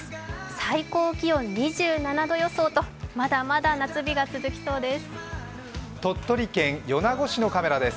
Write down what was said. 最高気温２７度予想と、まだまだ夏日が続きそうです。